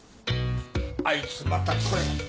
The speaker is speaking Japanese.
あいつまたこれ。